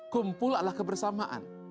kumpul adalah kebersamaan